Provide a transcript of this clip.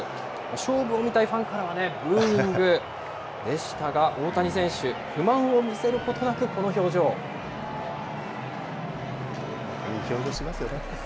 勝負を見たいファンからはブーイングでしたが、大谷選手、不満をいい表情しますよね。